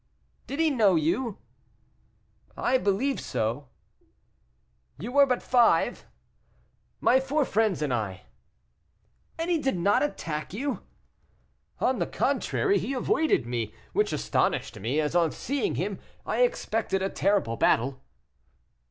"Did he know you?" "I believe so." "You were but five?" "My four friends and I." "And he did not attack you?" "On the contrary, he avoided me, which astonished me, as on seeing him, I expected a terrible battle."